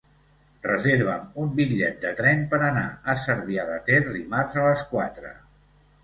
Reserva'm un bitllet de tren per anar a Cervià de Ter dimarts a les quatre.